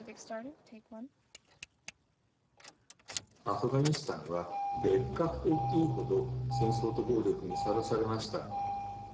アフガニスタンは別格といっていいほど戦争と暴力にさらされました。